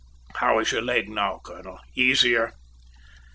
How is your leg now, colonel? Easier?"